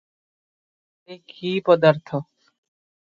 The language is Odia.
ସେ କି ପଦାର୍ଥ?